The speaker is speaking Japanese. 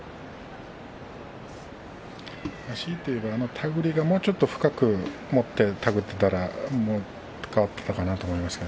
しいて言えばあの手繰りが深く持って手繰っていたら変わっていたかなと思います。